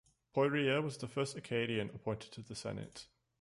Poirier was the first Acadian appointed to the Senate.